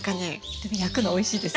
でも焼くのおいしいです